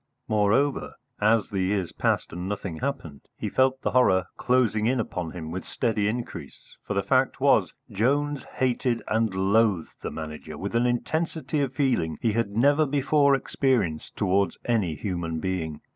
Moreover, as the years passed, and nothing happened, he felt the horror closing in upon him with steady increase, for the fact was Jones hated and loathed the Manager with an intensity of feeling he had never before experienced towards any human being.